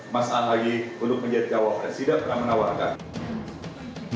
mas ahi untuk menjadi cowok presiden pernah menawarkan